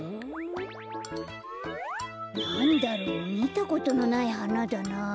なんだろう？みたことのないはなだなあ。